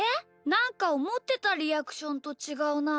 なんかおもってたリアクションとちがうな。